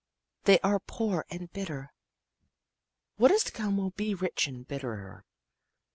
They are poor and bitter. What is to come will be rich and bitterer.